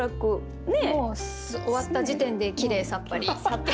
もう終わった時点できれいさっぱり。